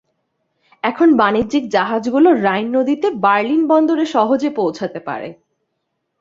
এখন বাণিজ্যিক জাহাজগুলো রাইন নদীতে, বার্লিন বন্দরে সহজে পৌঁছাতে পারে।